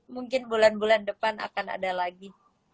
mungkin bulan bulan depan akan ada lagi